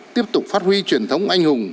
tiếp tục phát huy truyền thống anh hùng